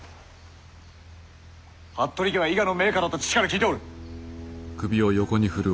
服部家は伊賀の名家だと父から聞いておる！